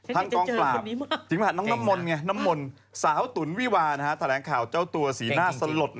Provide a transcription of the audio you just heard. ทั้งกองปราบน้องน้ำมนสาวตุ๋นวิวาแถลงข่าวเจ้าตัวสีหน้าสลด